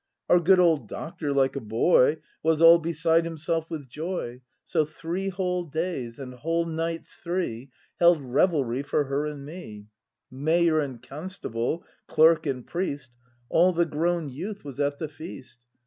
Our good old doctor, like a boy. Was all beside himself with joy; So three whole days, and whole nights three. Held revelry for her and me; Mayor and constable, clerk and priest, — All the grown youth was at the feast.